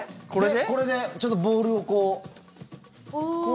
これでちょっとボールをこう。